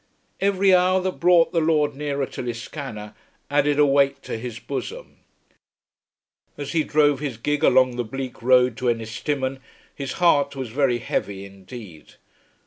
Every hour that brought the lord nearer to Liscannor added a weight to his bosom. As he drove his gig along the bleak road to Ennistimon his heart was very heavy indeed.